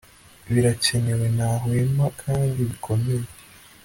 birakenewe ntahwema kandi bikomeye